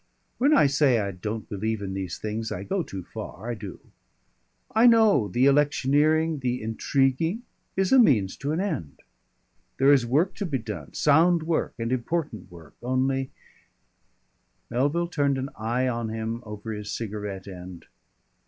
When I say I don't believe in these things I go too far. I do. I know, the electioneering, the intriguing is a means to an end. There is work to be done, sound work, and important work. Only " Melville turned an eye on him over his cigarette end.